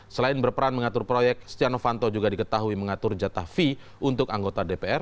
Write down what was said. selain berperan mengatur proyek stiano fanto juga diketahui mengatur jatah fee untuk anggota dpr